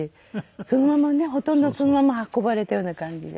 そのままねほとんどそのまま運ばれたような感じで。